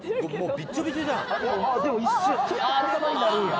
あぁでも一瞬ちょっと塊になるんや。